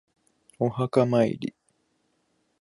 お墓参り